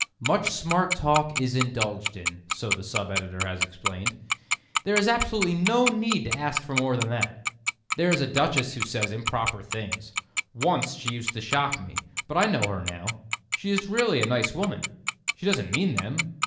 "Much smart talk is indulged in," so the sub editor has explained. There is absolutely no need to ask for more than that. There is a Duchess who says improper things. Once she used to shock me. But I know her now. She is really a nice woman; she doesn't mean them.